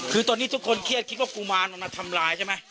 คือตอนนี้ทุกคนเครียดคิดว่ากุมารมันมาทำลายใช่ไหม